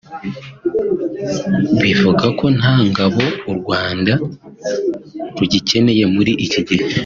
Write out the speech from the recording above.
Bivuga ko nta ngabo u Rwanda rugikeneye muri iki gihe